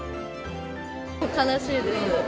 悲しいです。